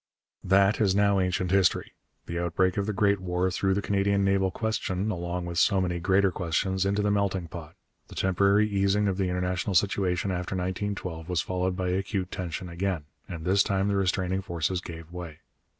That is now ancient history. The outbreak of the Great War threw the Canadian naval question, along with so many greater questions, into the melting pot. The temporary easing of the international situation after 1912 was followed by acute tension again, and this time the restraining forces gave way.